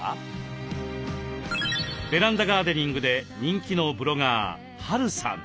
ベランダガーデニングで人気のブロガーＨ・Ａ・Ｒ・Ｕさん。